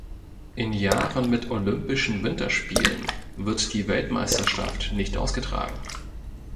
In Jahren mit Olympischen Winterspielen wird die Weltmeisterschaft nicht ausgetragen.